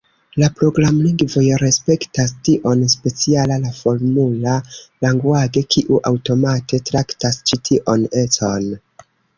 La programlingvoj respektas tion, speciala la "Formula language", kiu aŭtomate traktas ĉi tion econ.